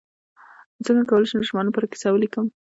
څنګه کولی شم د ماشومانو لپاره کیسه ولیکم